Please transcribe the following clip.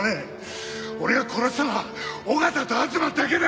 俺が殺したのは緒方と吾妻だけだ！